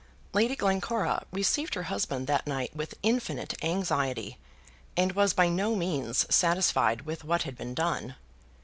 Lady Glencora received her husband that night with infinite anxiety, and was by no means satisfied with what had been done.